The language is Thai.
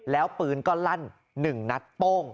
แล้วปืนก็ลั่น๑นัดโป้ง